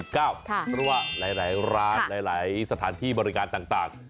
เพราะว่าหลายร้านหลายสถานที่บริการต่าง